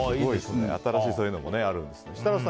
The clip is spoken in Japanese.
新しいそういうのもあるんですね。